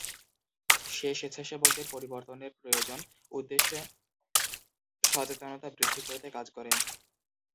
সে স্বেচ্ছাসেবকদের পরিবর্তনের প্রয়োজন উদ্দেশ্যে সচেতনতা বৃদ্ধি করতে কাজ করেন।